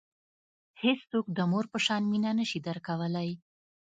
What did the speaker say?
هیڅوک د مور په شان مینه نه شي درکولای.